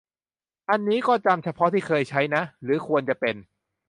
อันนี้ก็จำเฉพาะที่เคยใช้นะ หรือควรจะเป็น